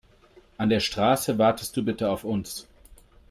An der Straße wartest du bitte auf uns.